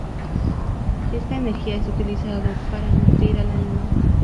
Esta energía es utilizada para nutrir al animal.